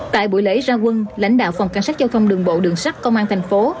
tại buổi lễ ra quân lãnh đạo phòng cảnh sát giao thông đường bộ đường sắt công an thành phố